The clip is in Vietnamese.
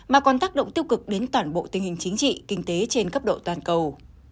mà còn tác động tiêu cực đến toàn bộ tình hình chính trị kinh tế trên cấp độ toàn cầu